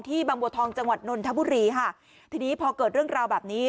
บางบัวทองจังหวัดนนทบุรีค่ะทีนี้พอเกิดเรื่องราวแบบนี้